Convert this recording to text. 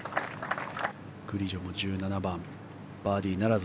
グリジョも１７番バーディーならず。